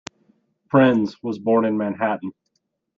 Prinz was born in Manhattan.